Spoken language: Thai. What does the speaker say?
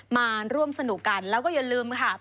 มาร่วมสนุกกันแล้วก็อย่าลืมค่ะ